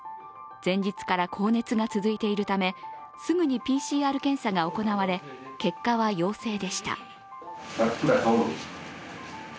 前日から高熱が続いているためすぐにＰＣＲ検査が行われ結果は陽性でした。